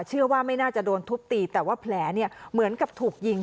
เชื่อว่าไม่น่าจะโดนทุบตีแต่ว่าแผลเนี่ยเหมือนกับถูกยิง